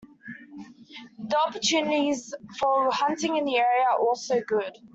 The opportunities for hunting in the area are also good.